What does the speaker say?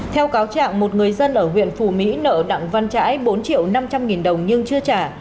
theo cáo trạng một người dân ở huyện phù mỹ nợ đặng văn trãi bốn triệu năm trăm linh nghìn đồng nhưng chưa trả